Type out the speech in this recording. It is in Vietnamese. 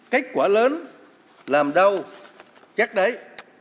kết quả lớn làm đau chắc đấy